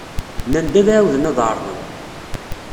Nnan-d ad ɛawden ad ɛerḍen.